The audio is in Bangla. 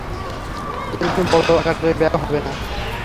এর জন্য বড় আকারের ব্যয়ও হবে না।